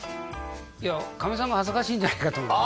いやかみさんが恥ずかしいんじゃないかと思う